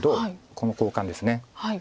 この交換です。